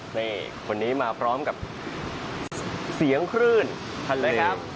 นี่คนนี้มาพร้อมกับเสียงคลื่นเลยครับ